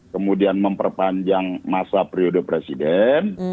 kemudian memperpanjang masa periode presiden